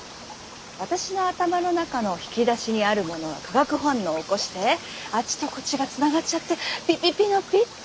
私の頭の中の引き出しにあるものが化学反応を起こしてあっちとこっちがつながっちゃってピピピのピッて。